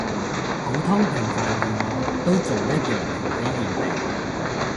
普通平凡如我，都仲一樣停喺原地